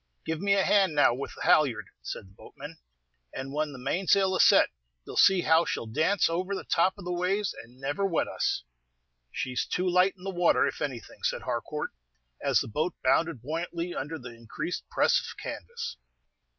"Give me a hand now with the halyard," said the boatman; "and when the mainsail is set, you 'll see how she 'll dance over the top of the waves, and never wet us." "She 's too light in the water, if anything," said Harcourt, as the boat bounded buoyantly under the increased press of canvas.